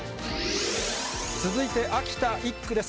続いて秋田１区です。